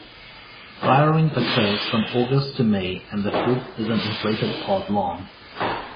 Flowering occurs from August to May and the fruit is an inflated pod long.